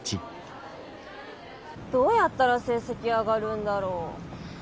どうやったら成績上がるんだろ。